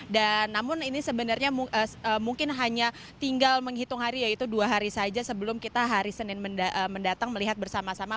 dan namun ini sebenarnya mungkin hanya tinggal menghitung hari yaitu dua hari saja sebelum kita hari senin mendatang melihat bersama sama